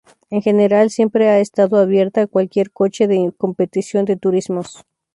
En general, siempre ha estado abierta a cualquier coche de competición de Turismos.